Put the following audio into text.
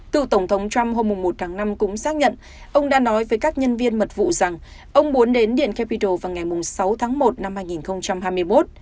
cựu tổng thống trump hôm một tháng năm cũng xác nhận ông đã nói với các nhân viên mật vụ rằng ông muốn đến điện capital vào ngày sáu tháng một năm hai nghìn hai mươi một